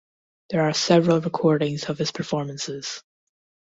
There are several recordings of his performances.